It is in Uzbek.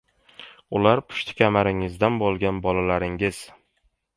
— Ular pushtikamaringizdan bo‘lgan bolalaringiz...